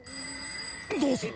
どうする？